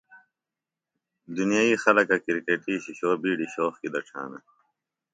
دُنیئی خلکہ کرکٹی شِشو بِیڈیۡ شوق کیۡ دڇھانہ۔